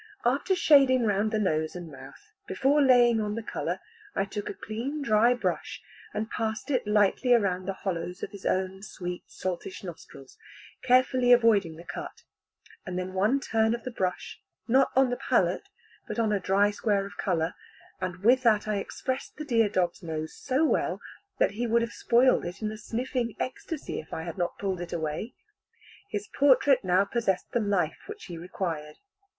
After shading around the nose and mouth, before laying on the colour, I took a clean dry brush, and passed it lightly round the hollows of his own sweet saltish nostrils, carefully avoiding the cut; then one turn of the brush, not on the palette, but on a dry square of colour, and with that I expressed the dear dog's nose so well, that he would have spoiled it in a sniffing ecstasy, if I had not pulled it away. His portrait now possessed the life which he required.